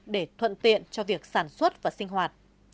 để thuận tiện cho việc sản xuất và sinh hoạt